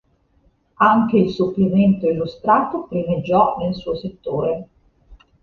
Anche il supplemento illustrato primeggiò nel suo settore.